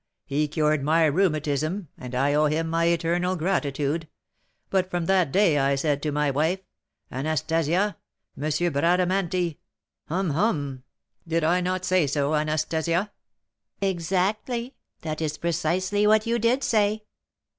he cured my rheumatism, and I owe him my eternal gratitude; but from that day I said to my wife, 'Anastasia, M. Bradamanti' hum! hum! did I not say so, Anastasia?" "Exactly; that is precisely what you did say."